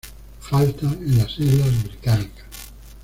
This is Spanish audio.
Falta en las Islas Británicas.